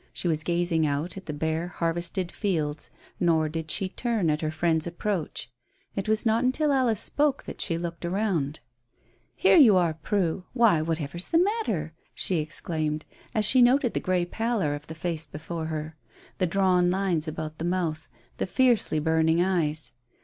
She was gazing out at the bare, harvested fields, nor did she turn at her friend's approach. It was not until Alice spoke that she looked round. "Here you are, Prue! Why, whatever is the matter?" she exclaimed, as she noted the grey pallor of the face before her; the drawn lines about the mouth, the fiercely burning eyes.